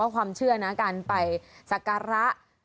ความเชื่อนะการไปสักการะ